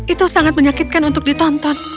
itu sangat menyakitkan untuk ditonton